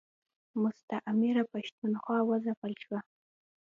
مستعمره پښتونخوا و ځپل شوه.